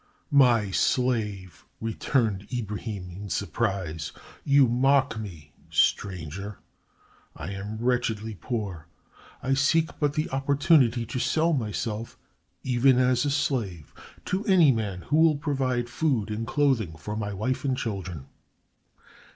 "My slave!" returned Ibrahim, in surprise. "You mock me, stranger. I am wretchedly poor. I seek but the opportunity to sell myself, even as a slave, to any man who will provide food and clothing for my wife and children."